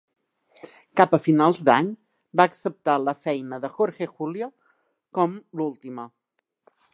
Cap a finals d'any, va acceptar la feina de Jorge Julio com l'última.